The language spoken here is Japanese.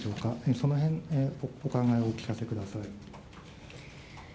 そのへん、お考えをお聞かせください。